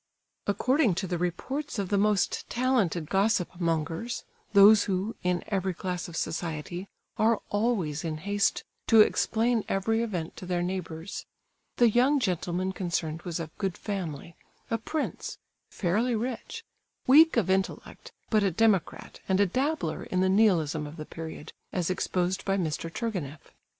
According to the reports of the most talented gossip mongers—those who, in every class of society, are always in haste to explain every event to their neighbours—the young gentleman concerned was of good family—a prince—fairly rich—weak of intellect, but a democrat and a dabbler in the Nihilism of the period, as exposed by Mr. Turgenieff.